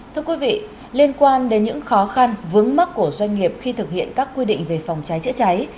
thưa quý vị liên quan đến những khó khăn vướng mắt của doanh nghiệp khi thực hiện các quy định về phòng cháy chữa cháy